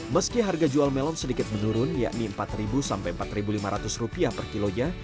meski harga jual melon sedikit menurun yakni rp empat sampai rp empat lima ratus per kilonya